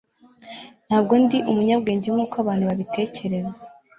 ntabwo ndi umunyabwenge nkuko abantu babitekereza